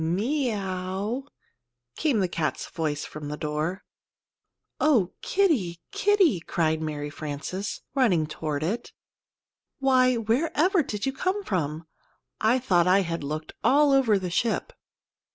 me ow!" came the cat's voice from the door. "Oh, Kitty! Kitty!" cried Mary Frances, running toward it. "Why, wherever did you come from? I thought I had looked all over the ship."